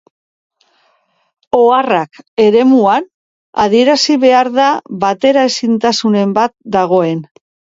“Oharrak" eremuan, adierazi behar da bateraezintasunen bat dagoen